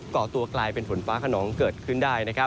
ก่อตัวกลายเป็นฝนฟ้าขนองเกิดขึ้นได้